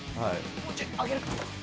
もうちょい上げる。